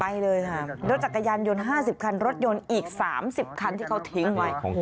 ไปเลยค่ะรถจักรยานยนต์๕๐คันรถยนต์อีก๓๐คันที่เขาทิ้งไว้